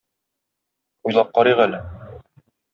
Уйлап карыйк әле.